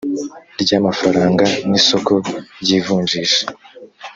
ry amafaranga n isoko ryivunjisha